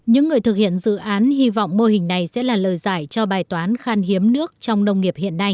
những người thực hiện dự án hy vọng mô hình này sẽ là lời giải cho bài toán khan hiếm nước trong nông nghiệp hiện nay